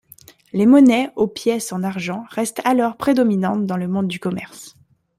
Les monnaies aux pièces en argent restent alors prédominantes dans le monde du commerce.